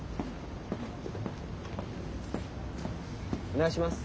お願いします。